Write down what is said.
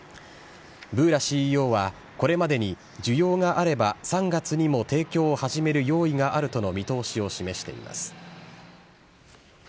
ブーラＣＥＯは、これまでに需要があれば３月にも提供を始める用意があるとの見通しを示しています。